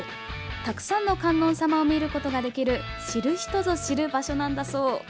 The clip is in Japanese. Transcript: たくさんの観音様を見ることができる知る人ぞ知る場所なんだそう。